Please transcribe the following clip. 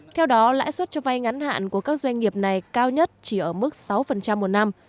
theo đó lãi suất cho vay ngắn hạn của các doanh nghiệp này cao nhất chỉ ở mức sáu một năm